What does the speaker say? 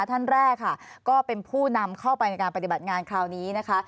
ท่านแรกค่ะก็เป็นผู้นำเข้าไปในการปฏิบัติงานคราวนี้นะคะ